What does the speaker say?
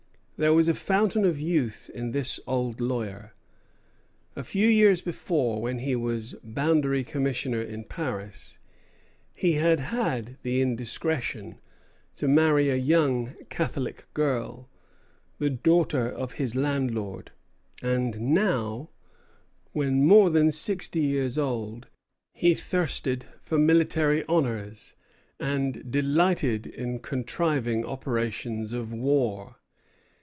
There was a fountain of youth in this old lawyer. A few years before, when he was boundary commissioner in Paris, he had had the indiscretion to marry a young Catholic French girl, the daughter of his landlord; and now, when more than sixty years old, he thirsted for military honors, and delighted in contriving operations of war.